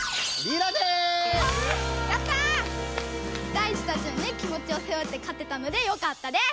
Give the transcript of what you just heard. ダイチたちのね気もちをせおって勝てたのでよかったです！